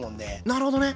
なるほどね。